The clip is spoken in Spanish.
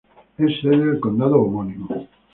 Es sede del condado de homónimo.